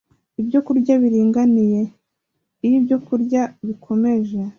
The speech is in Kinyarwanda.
ibyokurya biringaniye. Iyo ibyokurya bikomeje